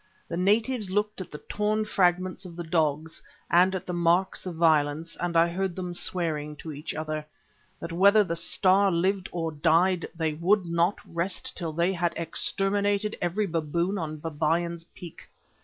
The natives looked at the torn fragments of the dogs, and at the marks of violence, and I heard them swearing to each other, that whether the Star lived or died they would not rest till they had exterminated every baboon on Babyan's Peak.